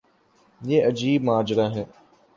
یہ عجیب ماجرا ہے۔